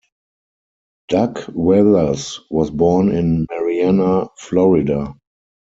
Doug Weathers was born in Marianna, Florida.